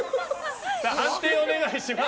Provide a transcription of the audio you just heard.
判定をお願いします。